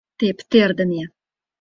Тептердыме.